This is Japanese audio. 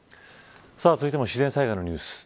続いても自然災害のニュース。